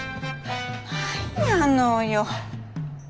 何やのよ。